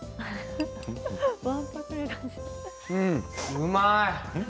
うまい！